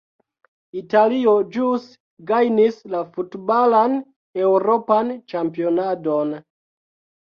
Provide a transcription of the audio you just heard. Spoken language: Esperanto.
Italio ĵus gajnis la futbalan eŭropan ĉampionadon.